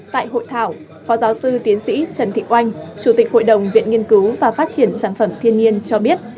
tại hội thảo phó giáo sư tiến sĩ trần thị oanh chủ tịch hội đồng viện nghiên cứu và phát triển sản phẩm thiên nhiên cho biết